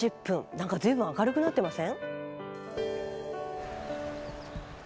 何か随分明るくなってません？